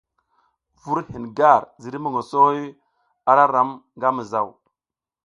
Vur hin gar ziriy mongoso a ra ram nga mizaw.